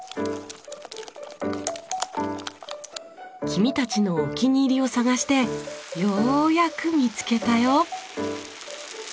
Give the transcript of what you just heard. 君たちのお気に入りを探してようやく見つけたよ。